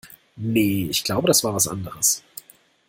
Nee, ich glaube, das war was anderes.